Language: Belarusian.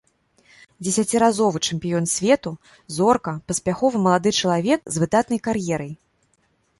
Дзесяціразовы чэмпіён свету, зорка, паспяховы малады чалавек з выдатнай кар'ерай.